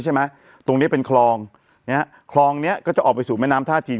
ใช่ไหมตรงเนี้ยเป็นคลองเนี้ยคลองเนี้ยก็จะออกไปสู่แม่น้ำท่าจีน